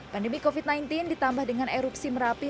pandemi covid sembilan belas ditambah dengan erupsi merapi